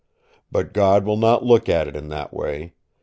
But God will not look at it in that way.